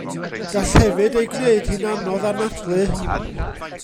Gall hefyd ei gwneud hi'n anodd anadlu.